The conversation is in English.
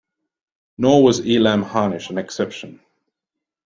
Nor was Elam Harnish an exception.